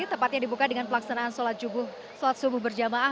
tepatnya dibuka dengan pelaksanaan sholat subuh berjamaah